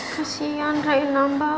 kasian reina mbak